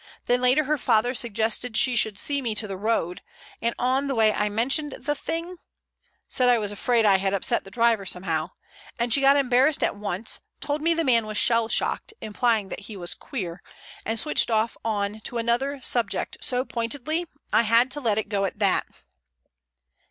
Then later her father suggested she should see me to the road, and on the way I mentioned the thing—said I was afraid I had upset the driver somehow—and she got embarrassed at once, told me the man was shell shocked, implying that he was queer, and switched off on to another subject so pointedly I had to let it go at that."